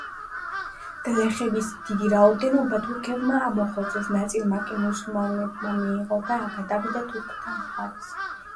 გლეხების დიდი რაოდენობა თურქებმა ამოხოცეს, ნაწილმა კი მუსულმანობა მიიღო და გადავიდა თურქთა მხარეს.